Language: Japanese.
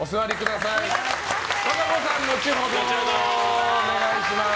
和歌子さん、後ほどお願いします。